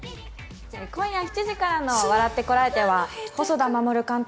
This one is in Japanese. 今夜７時からの『笑ってコラえて！』は細田守監督